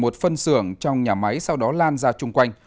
một phân xưởng trong nhà máy sau đó lan ra chung quanh